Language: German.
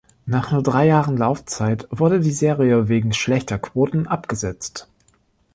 Nach nur drei Jahren Laufzeit wurde die Serie wegen schlechter Quoten abgesetzt.